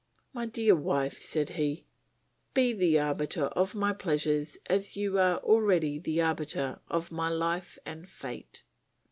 "My dear wife," said he, "be the arbiter of my pleasures as you are already the arbiter of my life and fate.